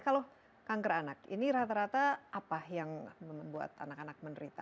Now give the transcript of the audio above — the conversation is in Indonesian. kalau kanker anak ini rata rata apa yang membuat anak anak menderita